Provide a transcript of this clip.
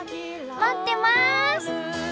待ってます！